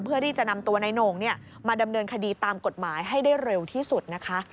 เพื่อที่จะนำตัวนายโหน่งมาดำเนินคดีตามกฎหมายให้ได้เร็วที่สุดนะคะ